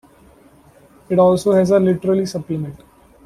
It also has a literary supplement.